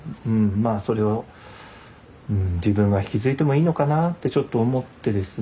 まあそれを自分が引き継いでもいいのかなってちょっと思ってですね